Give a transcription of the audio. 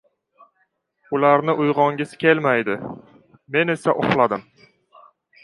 Ularni uygʻongisi kelmaydi, meni esa uxlagim...